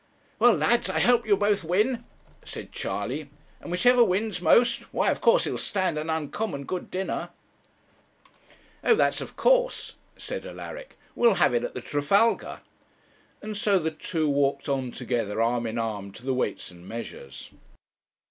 'Well, lads, I hope you'll both win,' said Charley. 'And whichever wins most, why of course he'll stand an uncommon good dinner.' 'Oh! that's of course,' said Alaric. 'We'll have it at the Trafalgar.' And so the two walked on together, arm in arm, to the Weights and Measures.